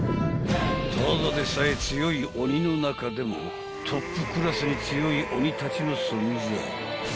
［ただでさえ強い鬼の中でもトップクラスに強い鬼たちの存在］